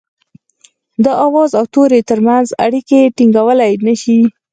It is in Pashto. د آواز او توري ترمنځ اړيکي ټيڼګولای نه شي